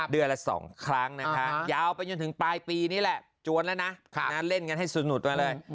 เดือนละ๒ครั้งนะคะยาวไปจนถึงปลายปีนี่แหละจวนแล้วนะเล่นกันให้สุดมาเลย